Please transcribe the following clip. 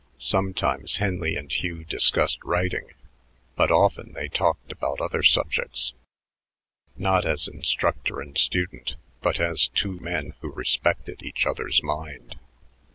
Sometimes Henley and Hugh discussed writing, but often they talked about other subjects, not as instructor and student but as two men who respected each other's mind.